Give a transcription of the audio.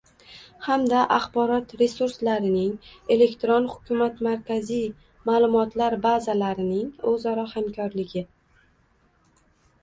hamda axborot resurslarining, elektron hukumat markaziy ma’lumotlar bazalarining o‘zaro hamkorligi